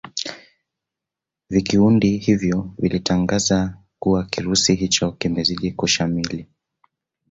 vikiundi hivyo vilitangaza kuwa kirusi hicho kimezidi kushamili